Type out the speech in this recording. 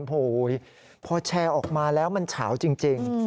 โอ้โหพอแชร์ออกมาแล้วมันเฉาจริง